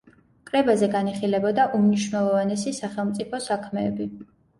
კრებაზე განიხილებოდა უმნიშვნელოვანესი სახელმწიფო საქმეები.